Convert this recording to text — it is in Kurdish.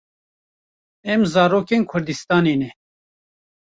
Em zarokên kurdistanê ne.